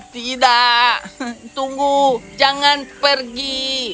tidak tunggu jangan pergi